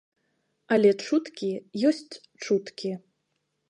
Але чуткі ёсць чуткі.